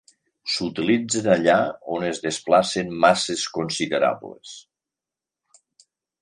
S'utilitzen allà on es desplacen masses considerables.